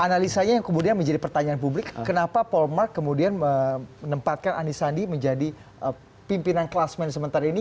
analisanya yang kemudian menjadi pertanyaan publik kenapa pollmark kemudian menempatkan anies andi menjadi pimpinan kelas management hari ini